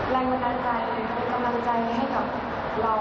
แรงกำลังใจเป็นกำลังใจให้กับเรา